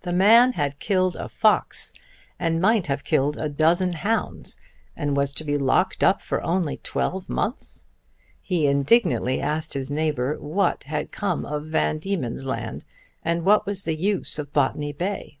The man had killed a fox and might have killed a dozen hounds, and was to be locked up only for twelve months! He indignantly asked his neighbour what had come of Van Diemen's Land, and what was the use of Botany Bay.